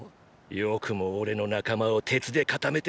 「よくも俺の仲間を鉄で固めてくれたな」